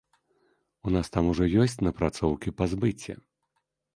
У нас там ўжо ёсць напрацоўкі па збыце.